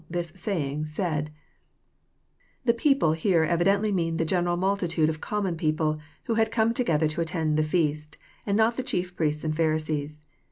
this aayingt said,"] The "people" here evi dently mean the general multitude of common people, who had come together to attend the feast, and not the chief priestn and Pharisees.